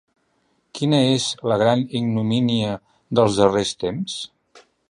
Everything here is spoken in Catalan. Quina és ‘la gran ignomínia’ dels darrers temps?